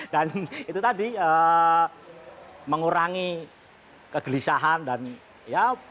dan itu tadi mengurangi kegelisahan dan ya